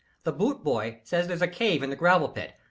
The boot boy says there's a cave in the gravel pit.